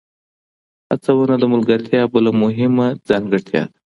هڅونه د ملګرتیا بله مهمه ځانګړتیا ده.